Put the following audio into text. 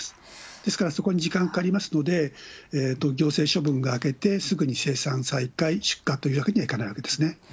ですからそこに時間かかりますので、行政処分が明けてすぐに生産再開、出荷というわけにはいかないわけですね。